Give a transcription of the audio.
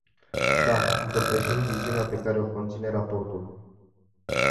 Da, împărtășim viziunea pe care o conține raportul.